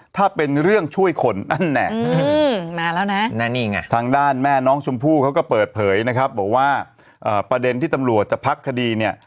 ทางด้านแม่น้องชมพู่เขาก็เปิดเผยนะครับบอกว่าประเด็นที่ตำรวจจะพักคดีเนี่ย